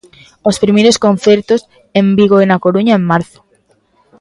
Os primeiros concertos, en Vigo e na Coruña en marzo.